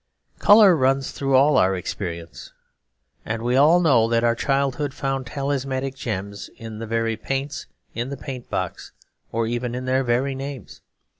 Colour runs through all our experience; and we all know that our childhood found talismanic gems in the very paints in the paint box, or even in their very names.